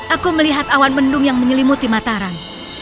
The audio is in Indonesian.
aku melihat awan mendung yang menyelimuti mataran